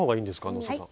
能勢さん。